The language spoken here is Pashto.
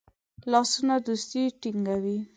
لاسونه دوستی ټینګوي